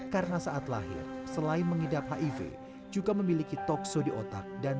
karena saat lahir selain mengidap hiv juga memiliki toksodi otak dan tbc